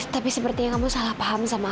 tapi sepertinya kamu salah paham sama aku